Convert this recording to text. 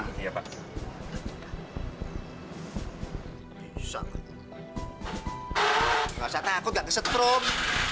nggak usah takut nggak kesetrum